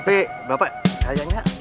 tapi bapak kayaknya